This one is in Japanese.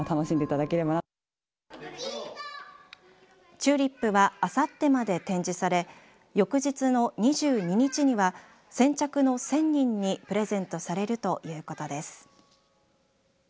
チューリップはあさってまで展示され翌日の２２日には先着の１０００人にプレゼントされるということです。